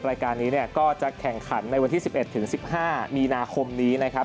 รายการนี้เนี่ยก็จะแข่งขันในวันที่๑๑ถึง๑๕มีนาคมนี้นะครับ